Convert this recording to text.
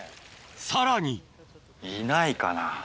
さらにいないかな？